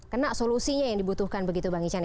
kena solusinya yang dibutuhkan begitu bang ican